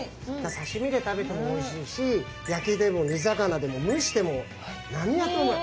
さしみで食べてもおいしいし焼きでも煮魚でも蒸しても何やってもうまい。